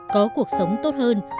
có cuộc sống tốt hơn